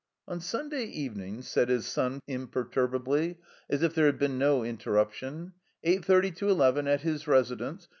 "On Sunday evenin'/' said his son, imperturb ably, as if there had been no interruption, "eight thirty to eleven, at his residence.